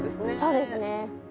そうですね。